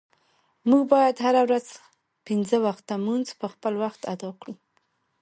مونږه باید هره ورځ پنځه وخته مونز په خپل وخت اداء کړو.